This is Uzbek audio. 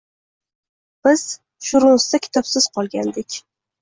Biz Shrunsda kitobsiz qolgandik.